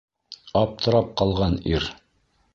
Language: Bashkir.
Аптырап ҡалған ир: